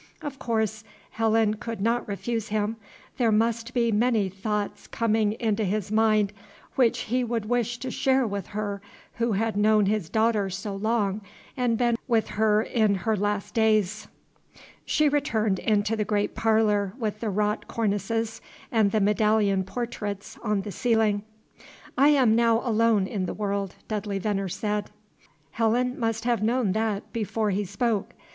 Of course Helen could not refuse him; there must be many thoughts coming into his mind which he would wish to share with her who had known his daughter so long and been with filer in her last days. She returned into the great parlor with the wrought cornices and the medallion portraits on the ceiling. "I am now alone in the world," Dudley Veneer said. Helen must have known that before he spoke.